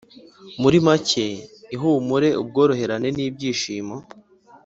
muri make ihumure, ubworoherane n'ibyishimo;